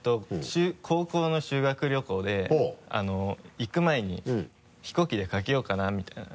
高校の修学旅行で行く前に飛行機でかけようかなみたいな。